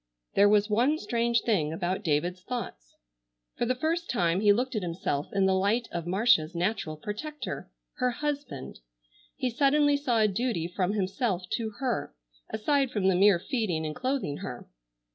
There was one strange thing about David's thoughts. For the first time he looked at himself in the light of Marcia's natural protector—her husband. He suddenly saw a duty from himself to her, aside from the mere feeding and clothing her.